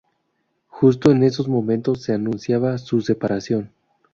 Justo en esos momentos se anunciaba su separación.